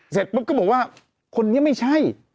เสร็จปุ๊บก็บอกว่าคนนี้ไม่ใช่